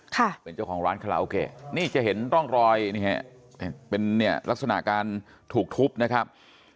ค่ะเป็นเจ้าของร้านคาราโอเกะนี่จะเห็นร่องรอยนี่ฮะเป็นเนี่ยลักษณะการถูกทุบนะครับ